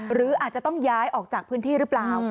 หรืออาจจะต้องย้ายออกจากพื้นที่หรือเปล่า